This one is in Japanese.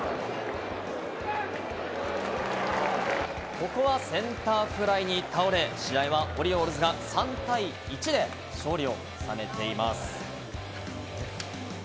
ここはセンターフライに倒れ、試合はオリオールズが３対１で勝利を収めています。